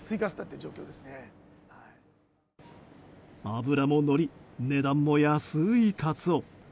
脂ものり、値段も安いカツオ。